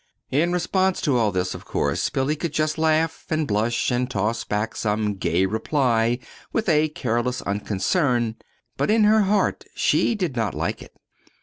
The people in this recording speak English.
In response to all this, of course, Billy could but laugh, and blush, and toss back some gay reply, with a careless unconcern. But in her heart she did not like it.